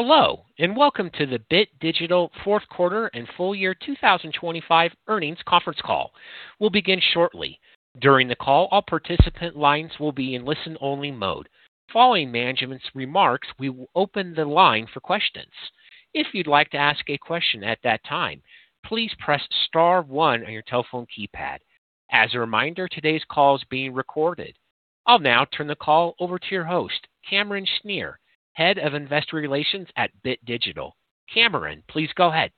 Hello, and welcome to the Bit Digital fourth quarter and full year 2025 earnings conference call. We'll begin shortly. During the call, all participant lines will be in listen-only mode. Following management's remarks, we will open the line for questions. If you'd like to ask a question at that time, please press star one on your telephone keypad. As a reminder, today's call is being recorded. I'll now turn the call over to your host, Cameron Schnier, Head of Investor Relations at Bit Digital. Cameron, please go ahead.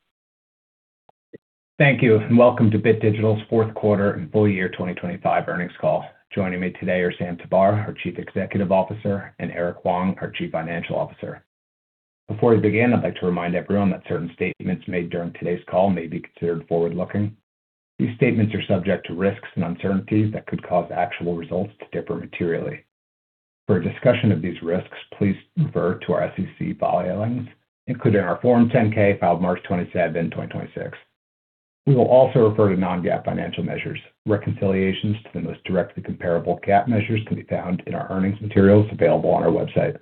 Thank you, and welcome to Bit Digital's fourth quarter and full year 2025 earnings call. Joining me today are Sam Tabar, our Chief Executive Officer, and Erke Huang, our Chief Financial Officer. Before we begin, I'd like to remind everyone that certain statements made during today's call may be considered forward-looking. These statements are subject to risks and uncertainties that could cause actual results to differ materially. For a discussion of these risks, please refer to our SEC filings, including our Form 10-K filed March 27, 2026. We will also refer to non-GAAP financial measures. Reconciliations to the most directly comparable GAAP measures can be found in our earnings materials available on our website.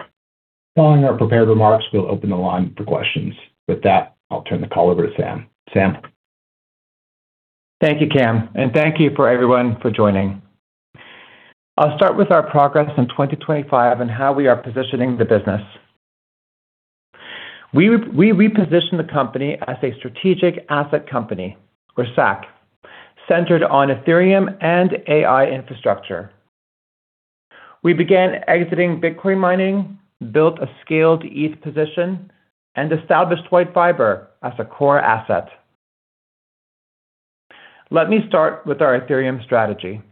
Following our prepared remarks, we'll open the line for questions. With that, I'll turn the call over to Sam. Sam. Thank you, Cam, and thank you, everyone, for joining. I'll start with our progress in 2025 and how we are positioning the business. We reposition the company as a strategic asset company or SAC, centered on Ethereum and AI infrastructure. We began exiting Bitcoin mining, built a scaled ETH position, and established WhiteFiber as a core asset. Let me start with our Ethereum strategy.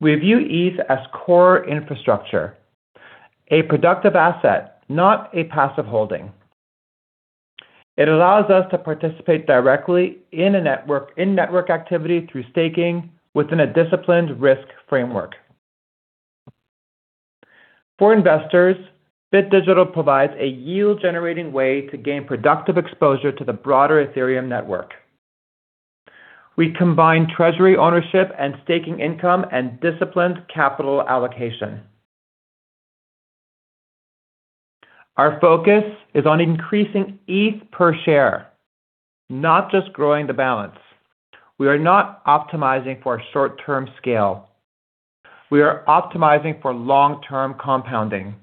We view ETH as core infrastructure, a productive asset, not a passive holding. It allows us to participate directly in network activity through staking within a disciplined risk framework. For investors, Bit Digital provides a yield-generating way to gain productive exposure to the broader Ethereum network. We combine treasury ownership and staking income and disciplined capital allocation. Our focus is on increasing ETH per share, not just growing the balance. We are not optimizing for short-term scale. We are optimizing for long-term compounding.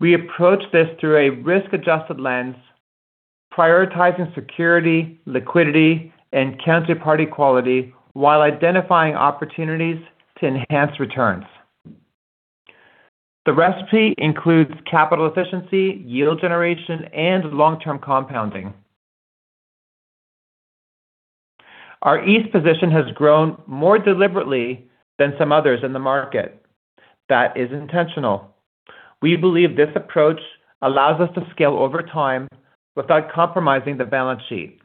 We approach this through a risk-adjusted lens, prioritizing security, liquidity, and counterparty quality while identifying opportunities to enhance returns. The recipe includes capital efficiency, yield generation, and long-term compounding. Our ETH position has grown more deliberately than some others in the market. That is intentional. We believe this approach allows us to scale over time without compromising the balance sheet.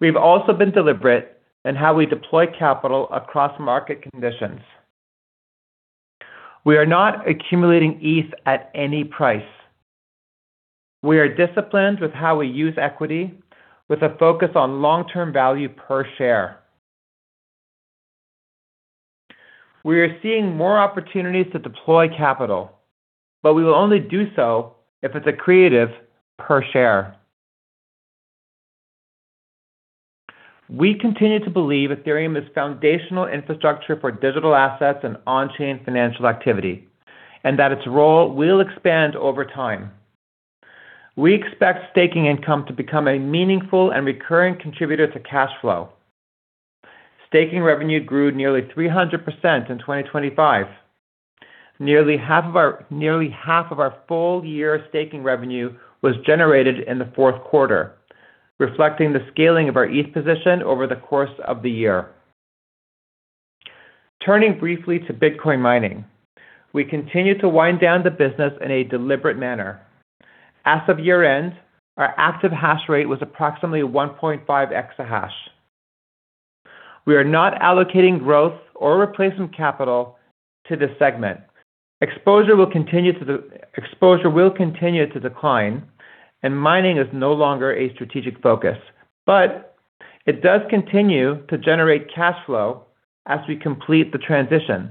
We've also been deliberate in how we deploy capital across market conditions. We are not accumulating ETH at any price. We are disciplined with how we use equity with a focus on long-term value per share. We are seeing more opportunities to deploy capital, but we will only do so if it's accretive per share. We continue to believe Ethereum is foundational infrastructure for digital assets and on-chain financial activity, and that its role will expand over time. We expect staking income to become a meaningful and recurring contributor to cash flow. Staking revenue grew nearly 300% in 2025. Nearly half of our full-year staking revenue was generated in the fourth quarter, reflecting the scaling of our ETH position over the course of the year. Turning briefly to Bitcoin mining. We continue to wind down the business in a deliberate manner. As of year-end, our active hash rate was approximately 1.5 exahash. We are not allocating growth or replacement capital to this segment. Exposure will continue to decline, and mining is no longer a strategic focus, but it does continue to generate cash flow as we complete the transition.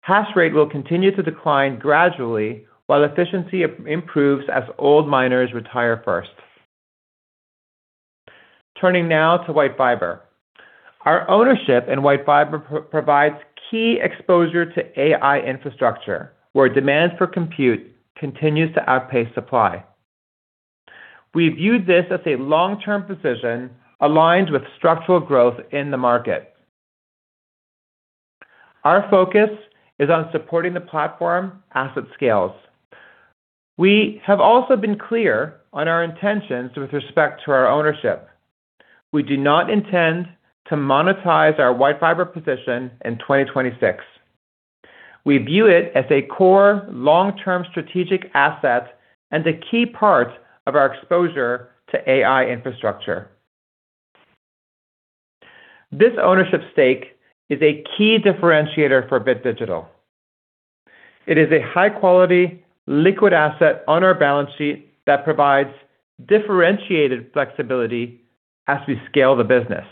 Hash rate will continue to decline gradually while efficiency improves as old miners retire first. Turning now to WhiteFiber. Our ownership in WhiteFiber provides key exposure to AI infrastructure, where demand for compute continues to outpace supply. We view this as a long-term position aligned with structural growth in the market. Our focus is on supporting the platform asset scales. We have also been clear on our intentions with respect to our ownership. We do not intend to monetize our WhiteFiber position in 2026. We view it as a core long-term strategic asset and a key part of our exposure to AI infrastructure. This ownership stake is a key differentiator for Bit Digital. It is a high-quality liquid asset on our balance sheet that provides differentiated flexibility as we scale the business.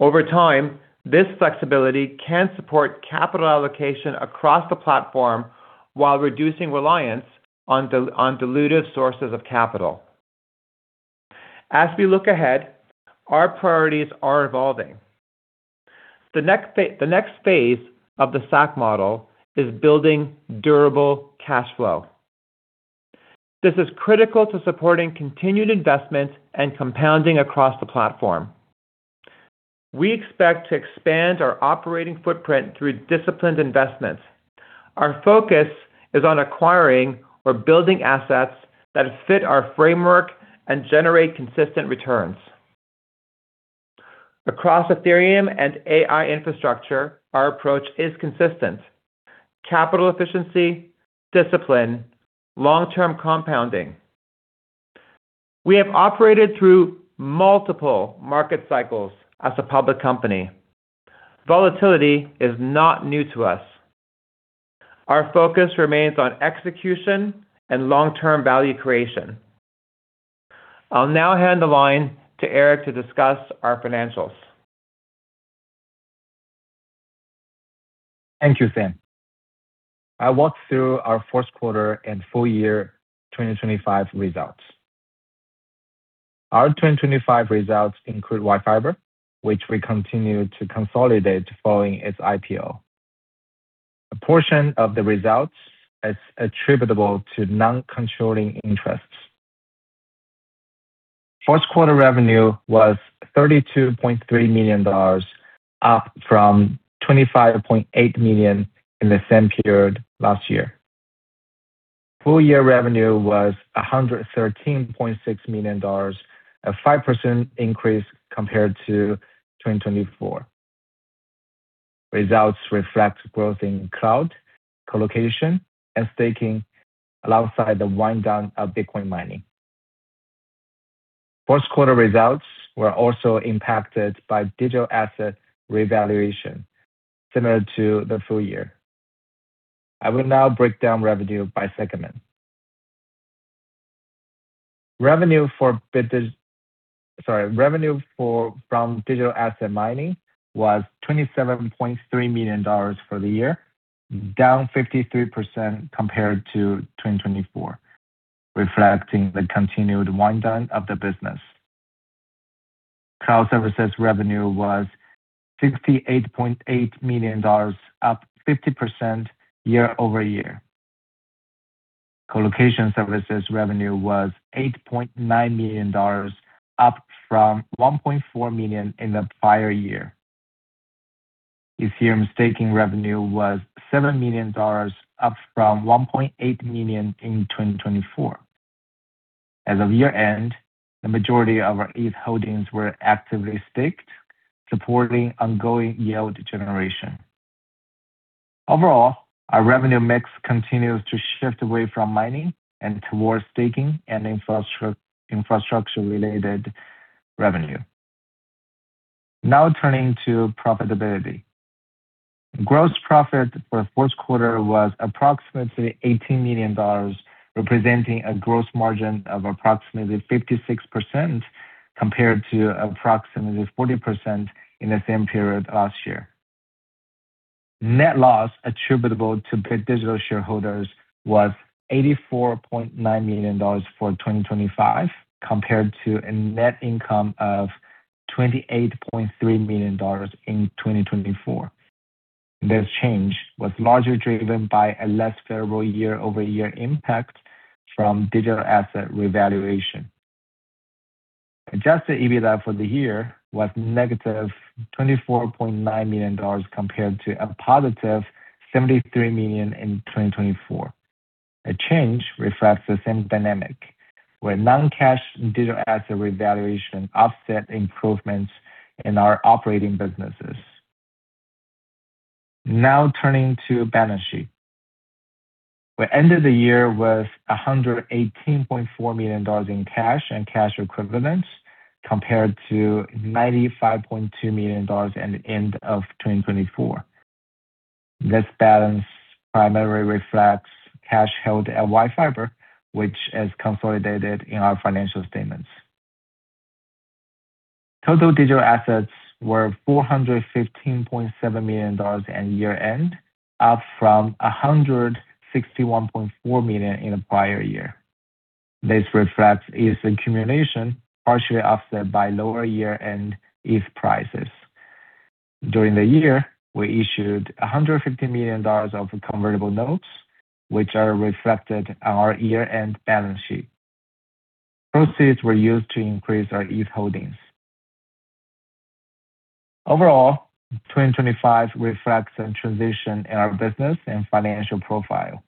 Over time, this flexibility can support capital allocation across the platform while reducing reliance on dilutive sources of capital. As we look ahead, our priorities are evolving. The next phase of the stock model is building durable cash flow. This is critical to supporting continued investment and compounding across the platform. We expect to expand our operating footprint through disciplined investments. Our focus is on acquiring or building assets that fit our framework and generate consistent returns. Across Ethereum and AI infrastructure, our approach is consistent, capital efficiency, discipline, long-term compounding. We have operated through multiple market cycles as a public company. Volatility is not new to us. Our focus remains on execution and long-term value creation. I'll now hand the line to Erke to discuss our financials. Thank you, Sam. I'll walk through our first quarter and full year 2025 results. Our 2025 results include WhiteFiber, which we continue to consolidate following its IPO. A portion of the results is attributable to non-controlling interests. First quarter revenue was $32.3 million, up from $25.8 million in the same period last year. Full year revenue was $113.6 million, a 5% increase compared to 2024. Results reflect growth in cloud, colocation, and staking alongside the wind down of Bitcoin mining. First quarter results were also impacted by digital asset revaluation similar to the full year. I will now break down revenue by segment. Revenue for Bit Digital... Sorry, revenue from digital asset mining was $27.3 million for the year, down 53% compared to 2024, reflecting the continued wind down of the business. Cloud services revenue was $68.8 million, up 50% year-over-year. Colocation services revenue was $8.9 million, up from $1.4 million in the prior year. Ethereum staking revenue was $7 million, up from $1.8 million in 2024. As of year-end, the majority of our ETH holdings were actively staked, supporting ongoing yield generation. Overall, our revenue mix continues to shift away from mining and towards staking and infrastructure related revenue. Now turning to profitability. Gross profit for the first quarter was approximately $18 million, representing a gross margin of approximately 56% compared to approximately 40% in the same period last year. Net loss attributable to Bit Digital shareholders was $84.9 million for 2025, compared to a net income of $28.3 million in 2024. This change was largely driven by a less favorable year-over-year impact from digital asset revaluation. Adjusted EBITDA for the year was -$24.9 million compared to a +$73 million in 2024. A change reflects the same dynamic, where non-cash digital asset revaluation offset improvements in our operating businesses. Now turning to balance sheet. We ended the year with $118.4 million in cash and cash equivalents compared to $95.2 million at end of 2024. This balance primarily reflects cash held at WhiteFiber, which is consolidated in our financial statements. Total digital assets were $415.7 million at year-end, up from $161.4 million in the prior year. This reflects ETH accumulation partially offset by lower year-end ETH prices. During the year, we issued $150 million of convertible notes, which are reflected on our year-end balance sheet. Proceeds were used to increase our ETH holdings. Overall, 2025 reflects a transition in our business and financial profile.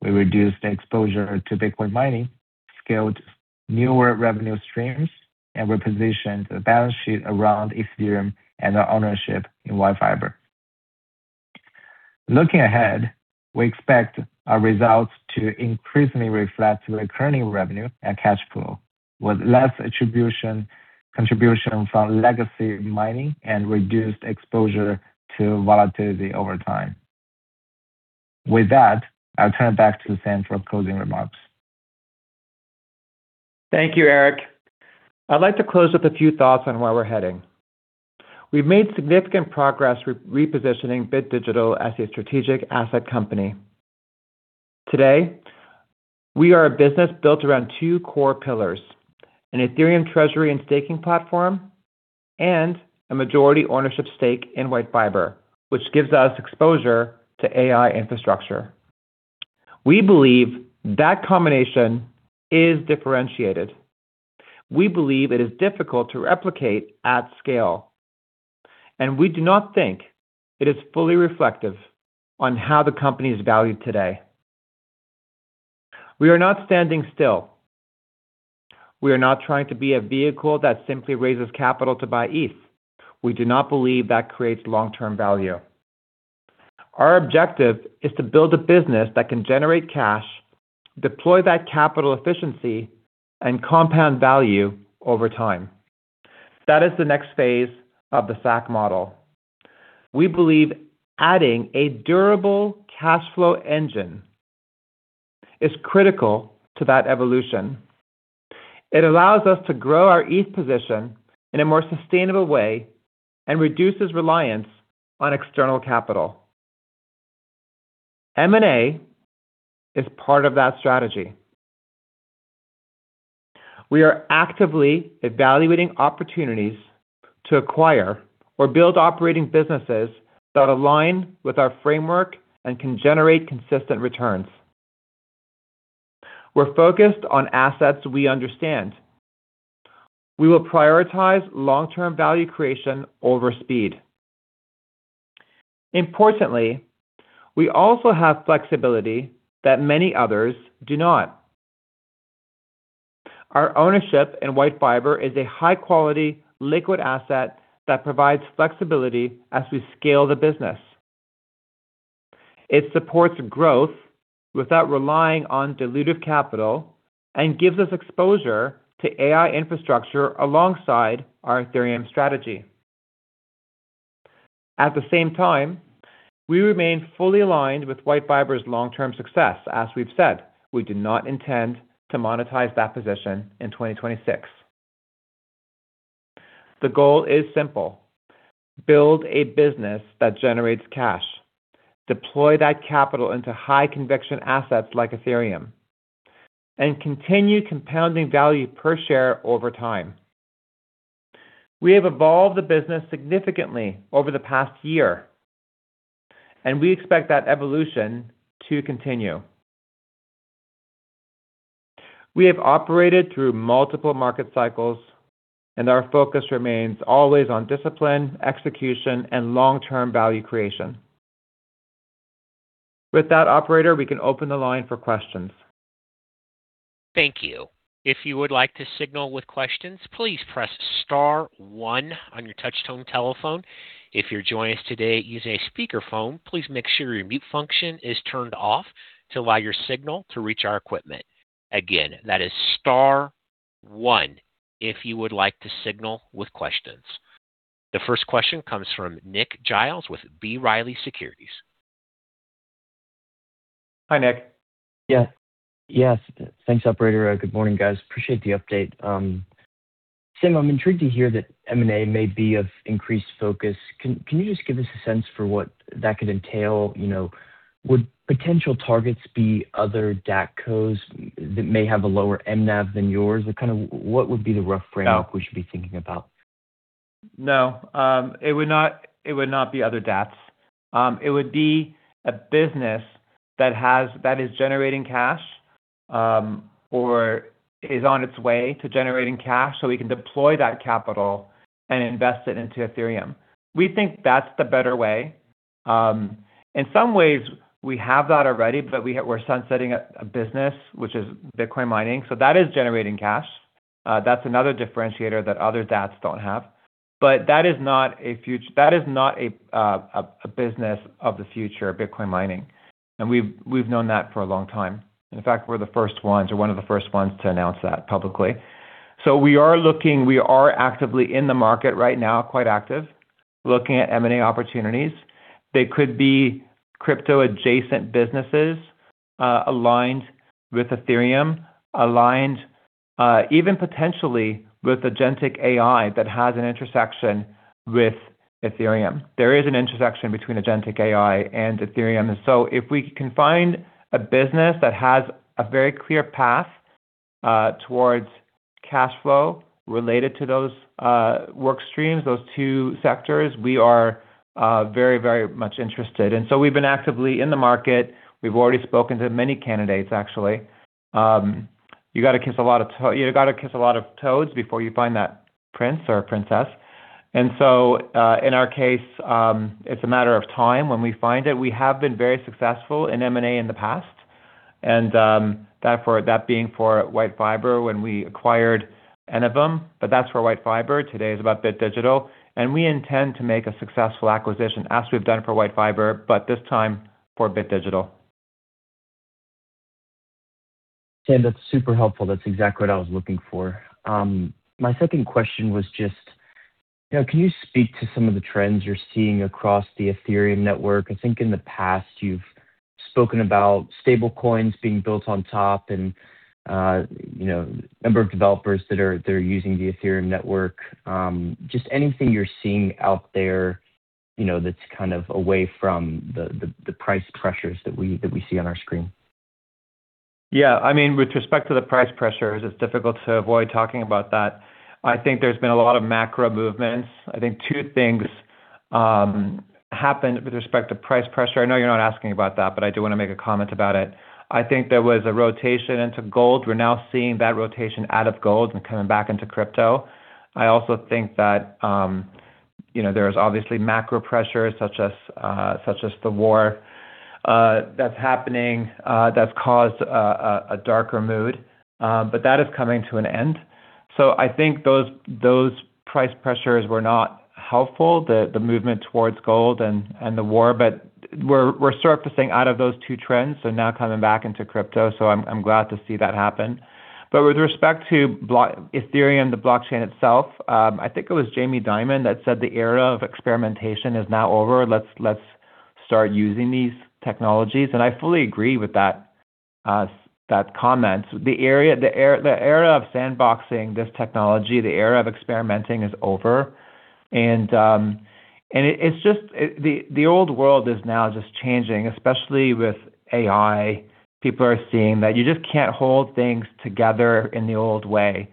We reduced exposure to Bitcoin mining, scaled newer revenue streams, and repositioned the balance sheet around Ethereum and our ownership in WhiteFiber. Looking ahead, we expect our results to increasingly reflect recurring revenue and cash flow with less attribution contribution from legacy mining and reduced exposure to volatility over time. With that, I'll turn it back to Sam for closing remarks. Thank you, Erke. I'd like to close with a few thoughts on where we're heading. We've made significant progress repositioning Bit Digital as a strategic asset company. Today, we are a business built around two core pillars, an Ethereum treasury and staking platform and a majority ownership stake in WhiteFiber, which gives us exposure to AI infrastructure. We believe that combination is differentiated. We believe it is difficult to replicate at scale, and we do not think it is fully reflective on how the company is valued today. We are not standing still. We are not trying to be a vehicle that simply raises capital to buy ETH. We do not believe that creates long-term value. Our objective is to build a business that can generate cash, deploy that capital efficiently and compound value over time. That is the next phase of the SAC model. We believe adding a durable cash flow engine is critical to that evolution. It allows us to grow our ETH position in a more sustainable way and reduces reliance on external capital. M&A is part of that strategy. We are actively evaluating opportunities to acquire or build operating businesses that align with our framework and can generate consistent returns. We're focused on assets we understand. We will prioritize long-term value creation over speed. Importantly, we also have flexibility that many others do not. Our ownership in WhiteFiber is a high-quality liquid asset that provides flexibility as we scale the business. It supports growth without relying on dilutive capital and gives us exposure to AI infrastructure alongside our Ethereum strategy. At the same time, we remain fully aligned with WhiteFiber's long-term success. As we've said, we do not intend to monetize that position in 2026. The goal is simple: build a business that generates cash, deploy that capital into high conviction assets like Ethereum, and continue compounding value per share over time. We have evolved the business significantly over the past year, and we expect that evolution to continue. We have operated through multiple market cycles, and our focus remains always on discipline, execution, and long-term value creation. With that operator, we can open the line for questions. Thank you. If you would like to signal with questions, please press star one on your touch-tone telephone. If you're joining us today using a speakerphone, please make sure your mute function is turned off to allow your signal to reach our equipment. Again, that is star one if you would like to signal with questions. The first question comes from Nick Giles with B. Riley Securities. Hi, Nick. Thanks, operator. Good morning, guys. Appreciate the update. Sam, I'm intrigued to hear that M&A may be of increased focus. Can you just give us a sense for what that could entail? You know, would potential targets be other DATCOs that may have a lower mNAV than yours? What would be the rough framework we should be thinking about? No. It would not be other DATs. It would be a business that is generating cash or is on its way to generating cash, so we can deploy that capital and invest it into Ethereum. We think that's the better way. In some ways we have that already, but we're sunsetting a business which is Bitcoin mining. That is generating cash. That's another differentiator that other DATs don't have. That is not a business of the future, Bitcoin mining. We've known that for a long time. In fact, we're the first ones, or one of the first ones to announce that publicly. We are actively in the market right now, quite active, looking at M&A opportunities. They could be crypto-adjacent businesses, aligned with Ethereum, even potentially with Agentic AI that has an intersection with Ethereum. There is an intersection between Agentic AI and Ethereum. If we can find a business that has a very clear path towards cash flow related to those work streams, those two sectors, we are very, very much interested. We've been actively in the market. We've already spoken to many candidates, actually. You gotta kiss a lot of toads before you find that prince or princess. In our case, it's a matter of time when we find it. We have been very successful in M&A in the past, and that being for WhiteFiber when we acquired Enovum, but that's for WhiteFiber. Today is about Bit Digital, and we intend to make a successful acquisition as we've done for WhiteFiber, but this time for Bit Digital. Sam, that's super helpful. That's exactly what I was looking for. My second question was just, you know, can you speak to some of the trends you're seeing across the Ethereum network? I think in the past you've spoken about Stablecoins being built on top and, you know, number of developers that are using the Ethereum network. Just anything you're seeing out there, you know, that's kind of away from the price pressures that we see on our screen. Yeah. I mean, with respect to the price pressures, it's difficult to avoid talking about that. I think there's been a lot of macro movements. I think two things happened with respect to price pressure. I know you're not asking about that, but I do wanna make a comment about it. I think there was a rotation into gold. We're now seeing that rotation out of gold and coming back into crypto. I also think that, you know, there's obviously macro pressures such as the war that's happening, that's caused a darker mood, but that is coming to an end. I think those price pressures were not helpful, the movement towards gold and the war, but we're surfacing out of those two trends, so now coming back into crypto. I'm glad to see that happen. But with respect to Ethereum, the Blockchain itself, I think it was Jamie Dimon that said the era of experimentation is now over. Let's start using these technologies. I fully agree with that comment. The era of sandboxing this technology, the era of experimenting is over. The old world is now just changing, especially with AI. People are seeing that you just can't hold things together in the old way.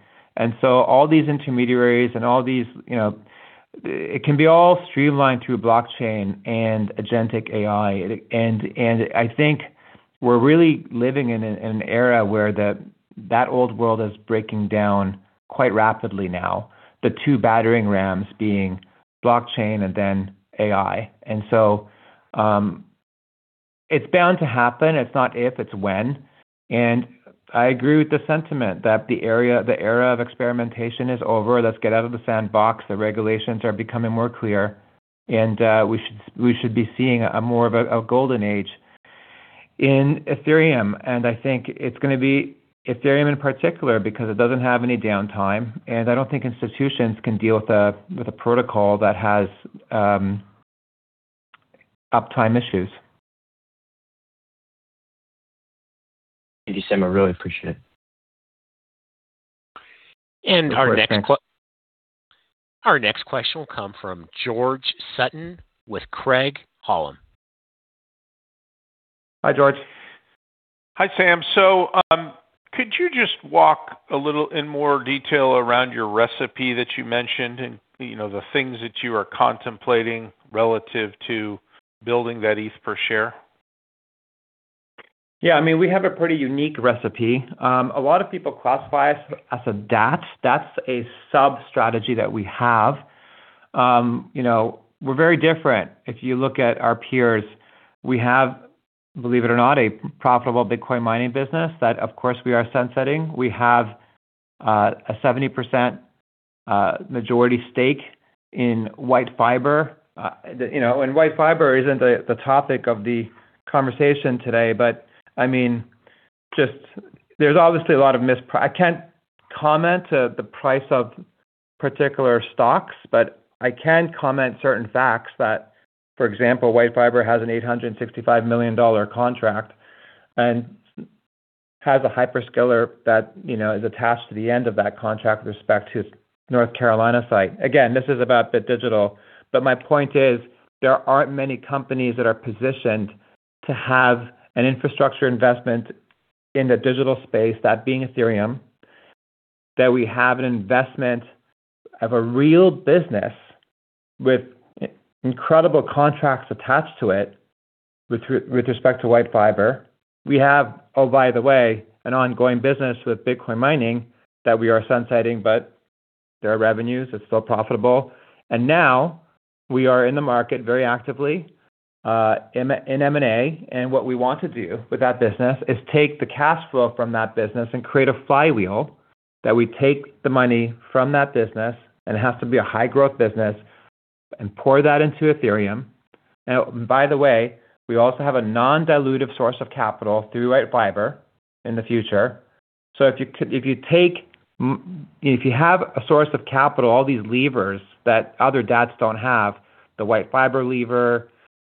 All these intermediaries and all these can be all streamlined through Blockchain and Agentic AI. I think we're really living in an era where that old world is breaking down quite rapidly now, the two battering rams being Blockchain and then AI. It's bound to happen. It's not if, it's when. I agree with the sentiment that the era of experimentation is over. Let's get out of the sandbox. The regulations are becoming more clear, and we should be seeing more of a golden age in Ethereum. I think it's gonna be Ethereum in particular because it doesn't have any downtime, and I don't think institutions can deal with a protocol that has uptime issues. Thank you, Sam. I really appreciate it. Our next question will come from George Sutton with Craig-Hallum. Hi, George. Hi, Sam. Could you just walk a little in more detail around your recipe that you mentioned and, you know, the things that you are contemplating relative to building that ETH per share? Yeah. I mean, we have a pretty unique recipe. A lot of people classify us as a DAT. That's a sub-strategy that we have. You know, we're very different. If you look at our peers, we have, believe it or not, a profitable Bitcoin mining business that, of course, we are sunsetting. We have a 70% majority stake in WhiteFiber. You know, and WhiteFiber isn't the topic of the conversation today, but I mean, just there's obviously a lot of. I can't comment to the price of particular stocks, but I can comment certain facts that, for example, WhiteFiber has an $865 million contract and has a hyperscaler that, you know, is attached to the end of that contract with respect to North Carolina site. Again, this is about Bit Digital. My point is, there aren't many companies that are positioned to have an infrastructure investment in the digital space, that being Ethereum, that we have an investment of a real business with incredible contracts attached to it with respect to WhiteFiber. We have, oh, by the way, an ongoing business with Bitcoin mining that we are sunsetting, but there are revenues, it's still profitable. Now we are in the market very actively in M&A, and what we want to do with that business is take the cash flow from that business and create a flywheel, that we take the money from that business, and it has to be a high-growth business, and pour that into Ethereum. Now, by the way, we also have a non-dilutive source of capital through WhiteFiber in the future. If you have a source of capital, all these levers that other DATS don't have, the WhiteFiber lever,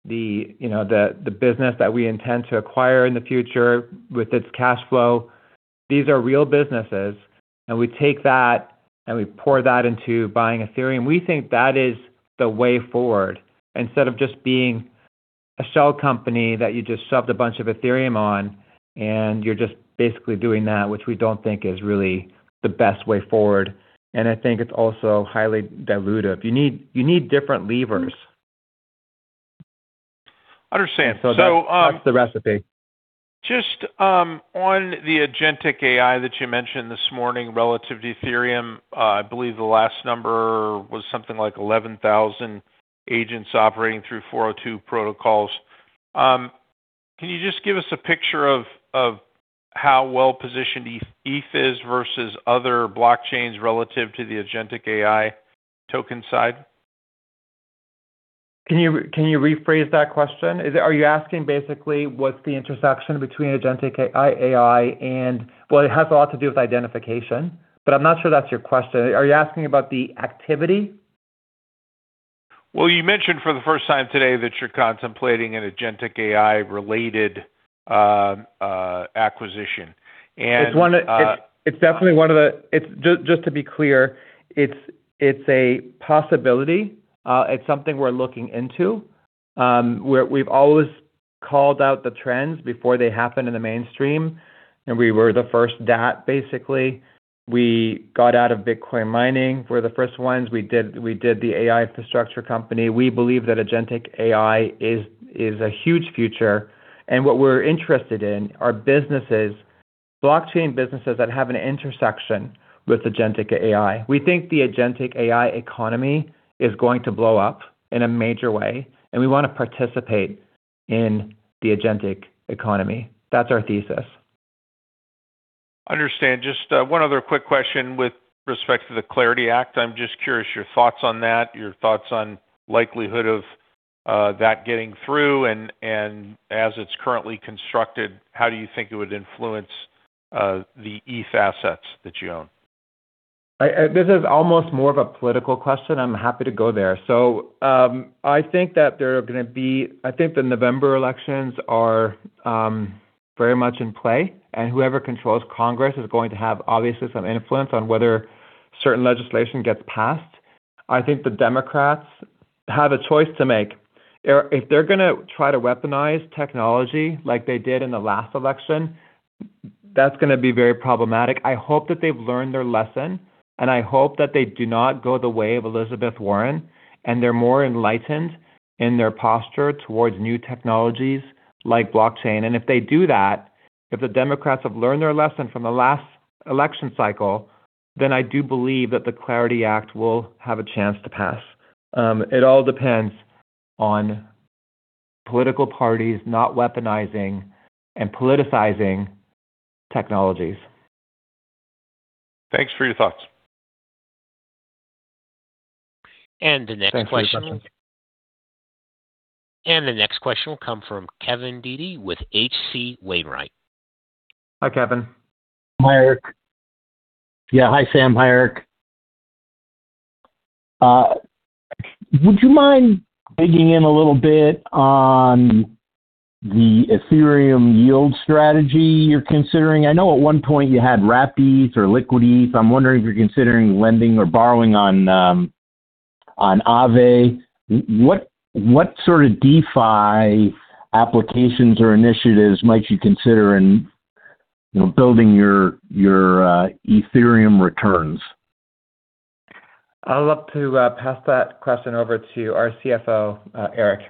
you know, the business that we intend to acquire in the future with its cash flow, these are real businesses, and we take that and we pour that into buying Ethereum. We think that is the way forward instead of just being a shell company that you just shoved a bunch of Ethereum on, and you're just basically doing that, which we don't think is really the best way forward. I think it's also highly dilutive. You need different levers. Understand. That's the recipe. Just on the Agentic AI that you mentioned this morning relative to Ethereum, I believe the last number was something like 11,000 agents operating through x402 protocols. Can you just give us a picture of how well-positioned ETH is versus other Blockchains relative to the Agentic AI token side? Can you rephrase that question? Are you asking basically what's the intersection between Agentic AI and? Well, it has a lot to do with identification, but I'm not sure that's your question. Are you asking about the activity? Well, you mentioned for the first time today that you're contemplating an Agentic AI-related acquisition. It's definitely one of the possibilities. Just to be clear, it's a possibility. It's something we're looking into. We've always called out the trends before they happen in the mainstream, and we were the first DAT basically. We got out of Bitcoin mining. We're the first ones. We did the AI infrastructure company. We believe that Agentic AI is a huge future, and what we're interested in are businesses, Blockchain businesses that have an intersection with Agentic AI. We think the Agentic AI economy is going to blow up in a major way, and we wanna participate in the Agentic economy. That's our thesis. Understand. Just, one other quick question with respect to the CLARITY Act. I'm just curious your thoughts on that, your thoughts on likelihood of that getting through, and as it's currently constructed, how do you think it would influence the ETH assets that you own? This is almost more of a political question. I'm happy to go there. I think the November elections are very much in play, and whoever controls Congress is going to have obviously some influence on whether certain legislation gets passed. I think the Democrats have a choice to make. If they're gonna try to weaponize technology like they did in the last election, that's gonna be very problematic. I hope that they've learned their lesson, and I hope that they do not go the way of Elizabeth Warren, and they're more enlightened in their posture towards new technologies like Blockchain. If they do that, if the Democrats have learned their lesson from the last election cycle, then I do believe that the CLARITY Act will have a chance to pass. It all depends on political parties not weaponizing and politicizing technologies. Thanks for your thoughts. The next question. Thanks for your question. The next question will come from Kevin Dede with H.C. Wainwright. Hi, Kevin. Hi, Eric. Yeah, hi, Sam. Hi, Erke. Would you mind digging in a little bit on the Ethereum yield strategy you're considering? I know at one point you had wrapped ETH or liquid ETH. I'm wondering if you're considering lending or borrowing on Aave. What sort of DeFi applications or initiatives might you consider in, you know, building your Ethereum returns? I'd love to pass that question over to our CFO, Erke.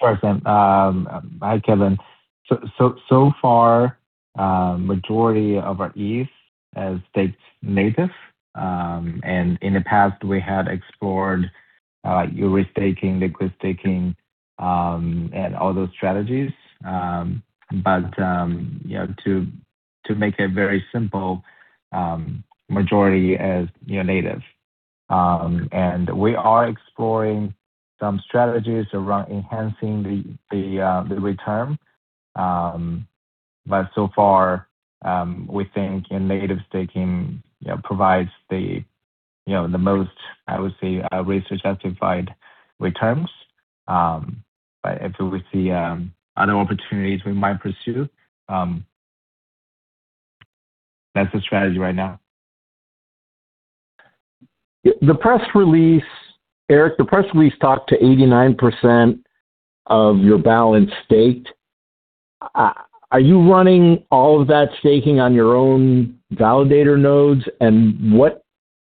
Sure thing. Hi, Kevin. So far, majority of our ETH has stayed native. In the past we had explored our restaking, liquid staking, and all those strategies. You know, to make it very simple, majority is, you know, native. We are exploring some strategies around enhancing the return. So far, we think a native staking, you know, provides the, you know, the most, I would say, risk-adjusted fine returns. If we see other opportunities we might pursue, that's the strategy right now. The press release, Eric, the press release talked to 89% of your balance staked. Are you running all of that staking on your own validator nodes?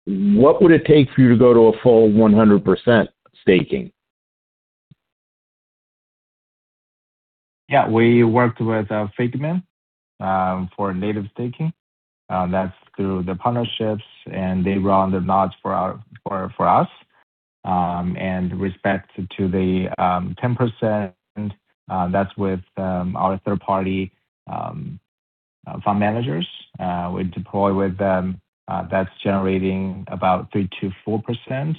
What would it take for you to go to a full 100% staking? Yeah. We worked with Figment for native staking. That's through the partnerships, and they run the nodes for us. With respect to the 10%, that's with our third-party fund managers. We deploy with them. That's generating about 3%-4%,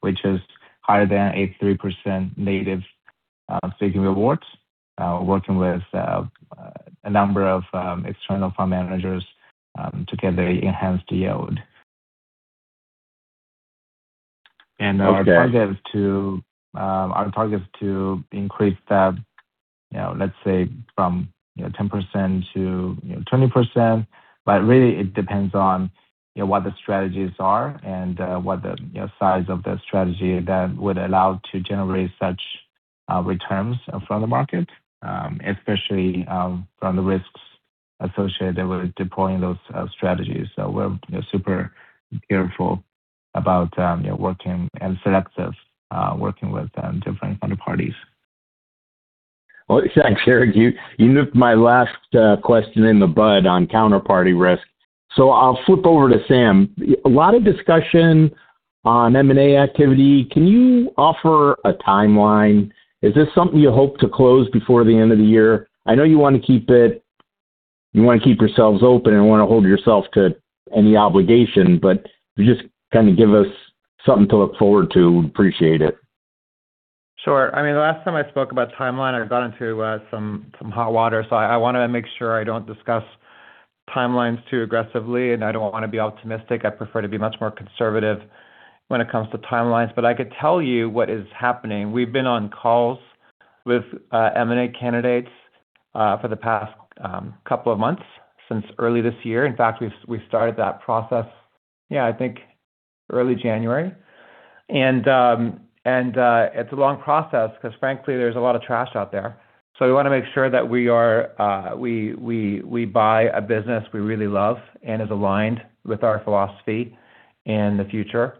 which is higher than a 3% native staking rewards. Working with a number of external fund managers to get the enhanced yield. Okay. Our target is to increase the, you know, let's say from 10%-20%, but really it depends on, you know, what the strategies are and what the, you know, size of the strategy that would allow to generate such returns from the market, especially from the risks associated with deploying those strategies. We're, you know, super careful about, you know, working and selective working with different counterparties. Well, thanks, Eric. You nipped my last question in the bud on counterparty risk. I'll flip over to Sam. A lot of discussion on M&A activity. Can you offer a timeline? Is this something you hope to close before the end of the year? I know you want to keep it. You want to keep yourselves open and want to hold yourself to any obligation, but you just kind of give us something to look forward to. We appreciate it. Sure. I mean, the last time I spoke about timeline, I got into some hot water, so I wanna make sure I don't discuss timelines too aggressively, and I don't wanna be optimistic. I prefer to be much more conservative when it comes to timelines. I could tell you what is happening. We've been on calls with M&A candidates for the past couple of months since early this year. In fact, we've started that process, yeah, I think early January. It's a long process 'cause frankly, there's a lot of trash out there. We wanna make sure that we buy a business we really love and is aligned with our philosophy and the future.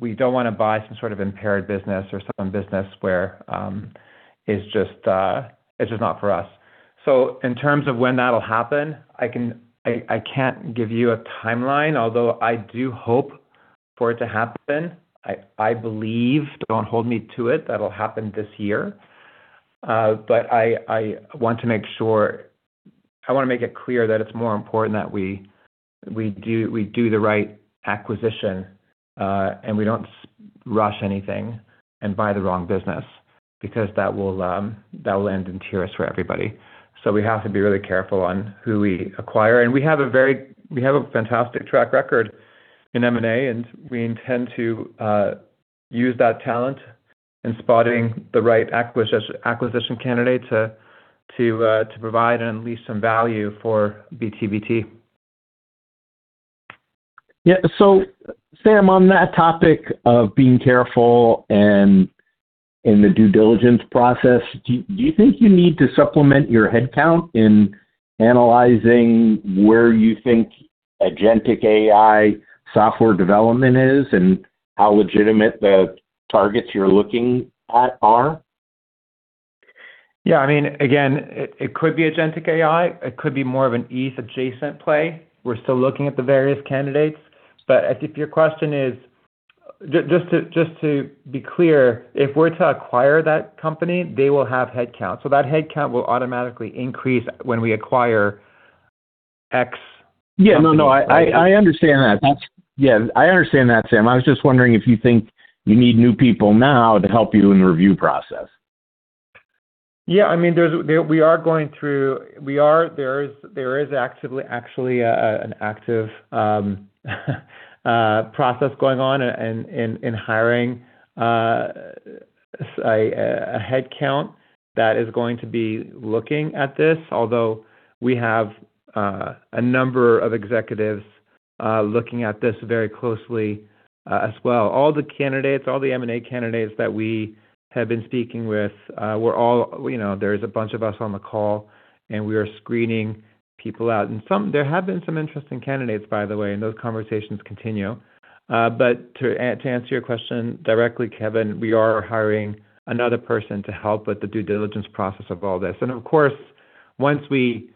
We don't wanna buy some sort of impaired business or some business where it's just not for us. In terms of when that'll happen, I can't give you a timeline, although I do hope for it to happen. I believe, don't hold me to it, that'll happen this year. I want to make sure I wanna make it clear that it's more important that we do the right acquisition, and we don't rush anything and buy the wrong business because that will end in tears for everybody. We have to be really careful on who we acquire. We have a fantastic track record in M&A, and we intend to use that talent in spotting the right acquisition candidate to provide and unleash some value for BTBT. Yeah. Sam, on that topic of being careful and in the due diligence process, do you think you need to supplement your headcount in analyzing where you think Agentic AI software development is and how legitimate the targets you're looking at are? Yeah, I mean, again, it could be Agentic AI, it could be more of an ETH adjacent play. We're still looking at the various candidates. I think your question is just to be clear, if we're to acquire that company, they will have headcount, so that headcount will automatically increase when we acquire X. Yeah. No, I understand that. Yeah, I understand that, Sam. I was just wondering if you think you need new people now to help you in the review process. Yeah, I mean, we are going through an active process going on in hiring a headcount that is going to be looking at this, although we have a number of executives looking at this very closely, as well. All the candidates, all the M&A candidates that we have been speaking with, we're all, you know, there's a bunch of us on the call, and we are screening people out. There have been some interesting candidates, by the way, and those conversations continue. To answer your question directly, Kevin, we are hiring another person to help with the due diligence process of all this. Of course, once we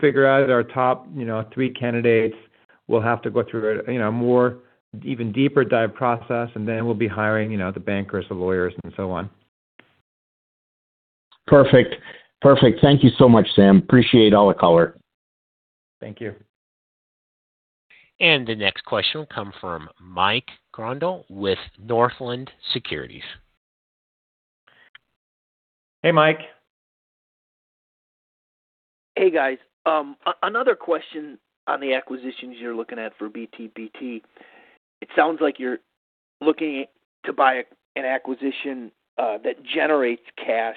figure out our top, you know, three candidates, we'll have to go through, you know, more even deeper dive process, and then we'll be hiring, you know, the bankers, the lawyers and so on. Perfect. Thank you so much, Sam. I appreciate all the color. Thank you. The next question will come from Mike Grondahl with Northland Securities. Hey, Mike. Hey, guys. Another question on the acquisitions you're looking at for BTBT. It sounds like you're looking to buy an acquisition that generates cash.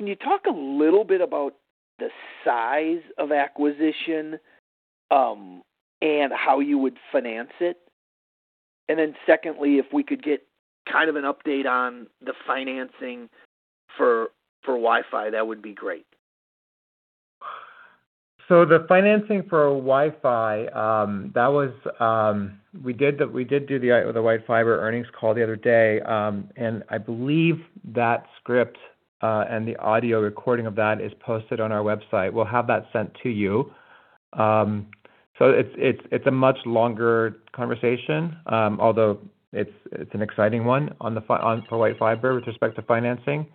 Can you talk a little bit about the size of acquisition and how you would finance it? Secondly, if we could get kind of an update on the financing for WhiteFiber, that would be great. The financing for WhiteFiber. We did the WhiteFiber earnings call the other day. I believe that script and the audio recording of that is posted on our website. We'll have that sent to you. It's a much longer conversation, although it's an exciting one on the financing for WhiteFiber with respect to financing.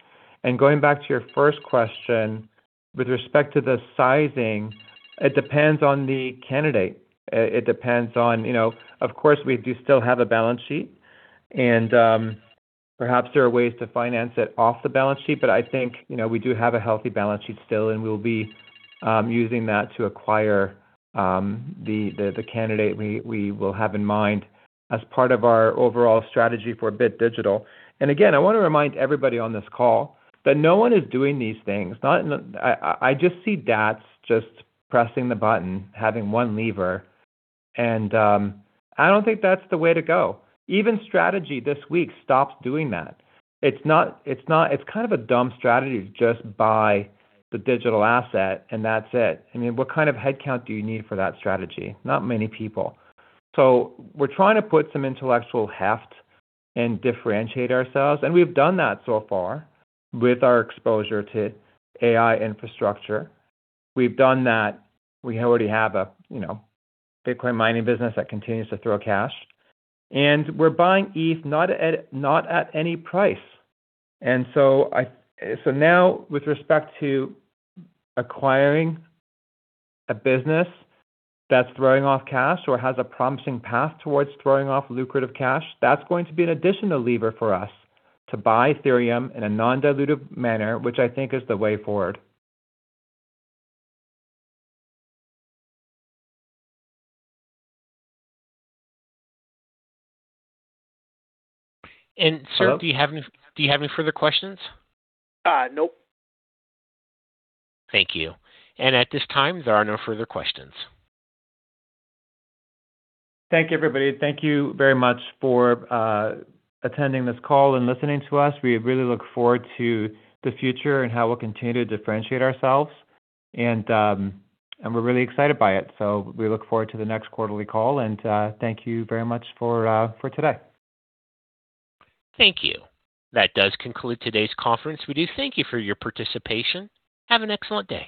Going back to your first question with respect to the sizing, it depends on the candidate. It depends on, you know, of course, we do still have a balance sheet and, perhaps there are ways to finance it off the balance sheet. I think, you know, we do have a healthy balance sheet still, and we'll be using that to acquire the candidate we will have in mind as part of our overall strategy for Bit Digital. I wanna remind everybody on this call that no one is doing these things. Not in the least. I just see DATS just pressing the button, having one lever, and I don't think that's the way to go. Even Strategy this week stops doing that. It's not. It's kind of a dumb strategy to just buy the digital asset and that's it. I mean, what kind of headcount do you need for that strategy? Not many people. We're trying to put some intellectual heft and differentiate ourselves, and we've done that so far with our exposure to AI infrastructure. We've done that. We already have a, you know, Bitcoin mining business that continues to throw cash. We're buying ETH not at any price. Now with respect to acquiring a business that's throwing off cash or has a promising path towards throwing off lucrative cash, that's going to be an additional lever for us to buy Ethereum in a non-dilutive manner, which I think is the way forward. Sir, do you have any further questions? Nope. Thank you. At this time, there are no further questions. Thank you, everybody. Thank you very much for attending this call and listening to us. We really look forward to the future and how we'll continue to differentiate ourselves and we're really excited by it. We look forward to the next quarterly call, and thank you very much for today. Thank you. That does conclude today's conference. We do thank you for your participation. Have an excellent day.